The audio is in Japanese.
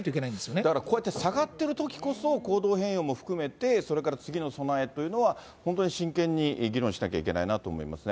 だからこうやって下がってきてるときこそ、行動変容も含めて、それから次の備えというのは、本当に真剣に議論しなきゃいけないなと思いますね。